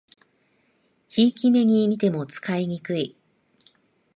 ひいき目にみても使いにくい